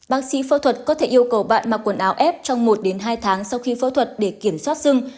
bác sĩ phẫu thuật có thể yêu cầu bạn mặc quần áo ép trong một hai tháng sau khi phẫu thuật để kiểm soát sưng